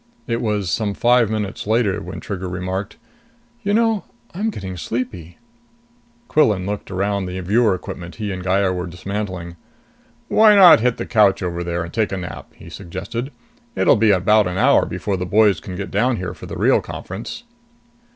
It was some five minutes later when Trigger remarked, "You know, I'm getting sleepy." Quillan looked around the viewer equipment he and Gaya were dismantling. "Why not hit the couch over there and take a nap?" he suggested. "It'll be about an hour before the boys can get down here for the real conference."